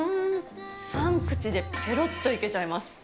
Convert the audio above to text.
３口でぺろっといけちゃいます。